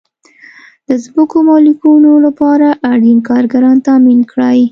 د ځمکو مالکینو لپاره اړین کارګران تامین کړئ.